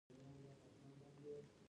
د فضايي بېړۍ کنټرول خپل کړي.